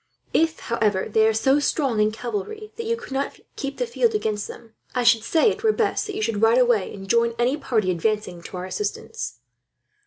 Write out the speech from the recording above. If, however, they are so strong in cavalry that you could not keep the field against them, I should say it were best that you should ride away, and join any party advancing to our assistance."